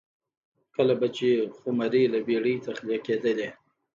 کله به چې خُمرې له بېړۍ تخلیه کېدلې